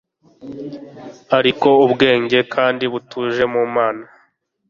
Ariko ubwenge kandi butuje mu Mana